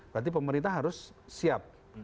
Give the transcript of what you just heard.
berarti pemerintah harus siap